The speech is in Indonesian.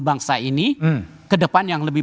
bangsa ini kedepan yang lebih